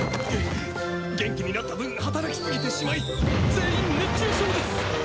元気になった分働きすぎてしまい全員熱中症です！